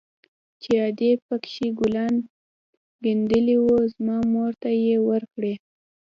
چې ادې پكښې ګلان ګنډلي وو زما مور ته يې وركړي.